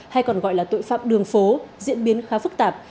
hay còn gọi là tội phạm đường phố diễn biến khá phức tạp